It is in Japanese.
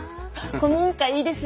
古民家いいですよね。